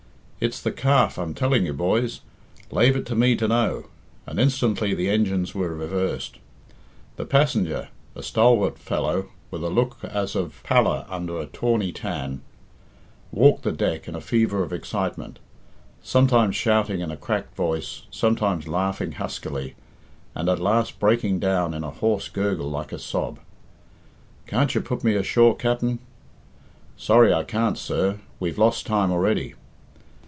"It's the Calf, I'm telling you, boys. Lave it to me to know." And instantly the engines were reversed. The passenger, a stalwart fellow, with a look as of pallor under a tawny tan, walked the deck in a fever of excitement, sometimes shouting in a cracked voice, sometimes laughing huskily, and at last breaking down in a hoarse gurgle like a sob. "Can't you put me ashore, capt'n?" "Sorry I can't, sir, we've lost time already."